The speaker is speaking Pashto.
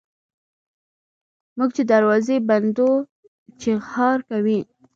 موږ چي دروازه بندوو چیغهار کوي.